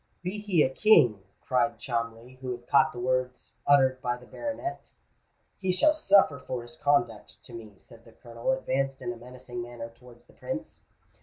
"Be he a king," cried Cholmondeley, who had caught the words uttered by the baronet, "he shall suffer for his conduct to me;"—and the Colonel advanced in a menacing manner towards the Prince.